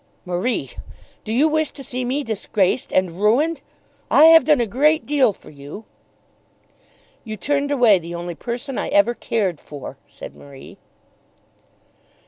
"Marie, do you wish to see me disgraced and ruined? I have done a great deal for you." "You turned away the only person I ever cared for," said Marie.